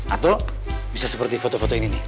atau bisa seperti foto foto ini nih